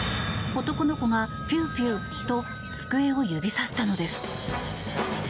男の子がピューピューと机を指さしたのです。